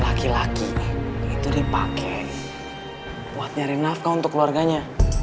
laki laki itu dipakai buat nyari nafkah untuk keluarganya